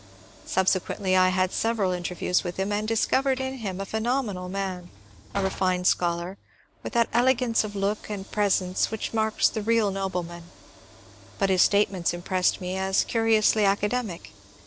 Subsequently I had several inter views with him, and discovered in him a phenomenal man, a refined scholar, with that elegance of look and presence which marks the real nobleman ; but his statements impressed me as curiously academic.